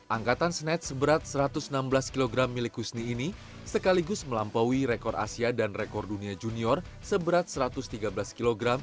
angkatan snatch seberat satu ratus enam belas kg milik husni ini sekaligus melampaui rekor asia dan rekor dunia junior seberat satu ratus tiga belas kg